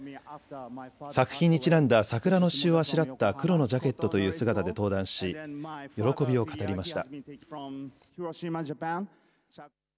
作品にちなんだ桜の刺しゅうをあしらった黒のジャケットという姿で登壇し喜びを語りました。